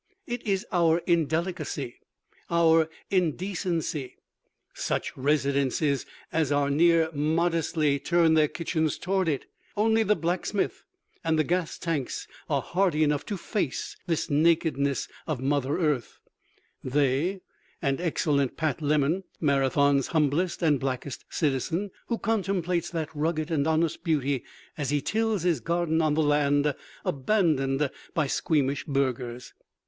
It is our indelicacy, our indecency. Such "residences" as are near modestly turn their kitchens toward it. Only the blacksmith and the gas tanks are hardy enough to face this nakedness of Mother Earth they, and excellent Pat Lemon, Marathon's humblest and blackest citizen, who contemplates that rugged and honest beauty as he tills his garden on the land abandoned by squeamish burghers.